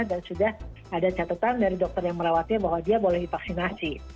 dan sudah ada catatan dari dokter yang merawatnya bahwa dia boleh divaksinasi